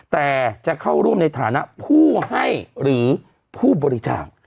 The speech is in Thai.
แต่จะเข้าร่วมในฐานะผู้ให้หรือผู้บริจาค